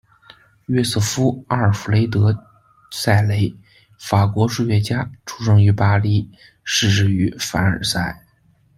约瑟夫·阿尔弗雷德·塞雷，法国数学家，出生于巴黎，逝世于凡尔赛。